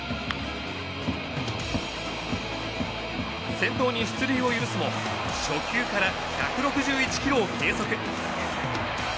先頭に出塁を許すも初球から１６１キロを計測。